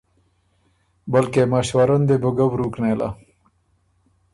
بلکې مشورۀ ن دې بو ګۀ ورُوک نېله۔